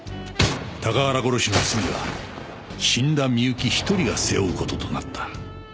高原殺しの罪は死んだみゆき１人が背負う事となった。